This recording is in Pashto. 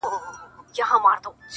یو ګنجی خدای برابر پر دې بازار کړ.!